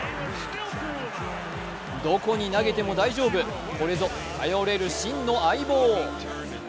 どこに投げても大丈夫これぞ頼れる真の相棒。